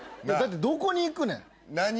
だってどこに行くねん？